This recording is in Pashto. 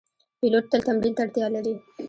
پیلوټ تل تمرین ته اړتیا لري.